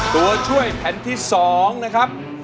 ตัวช่วยแผ่นที่๒นะครับ